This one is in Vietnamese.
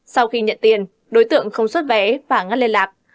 sau khi nhận tiền đối tượng không xuất vé và ngắt liên lạc